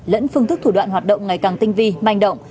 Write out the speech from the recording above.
lẫn phương thức thủ đoạn hoạt động ngày càng tinh vi manh động